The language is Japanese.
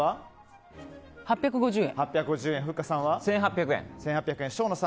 ８５０円。